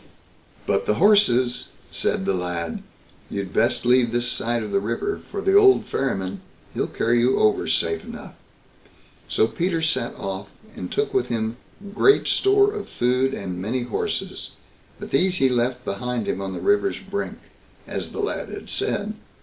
"But the horses", said the lad "you'd best leave this side the river; for the old ferryman, he'll carry you over safe enough." So Peter set off, and took with him great store of food and many horses; but these he left behind him on the river's brink, as the lad had said.